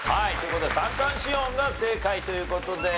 三寒四温が正解という事で。